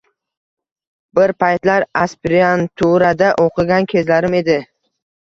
Bir paytlar aspiranturada oʻqigan kezlarim edi.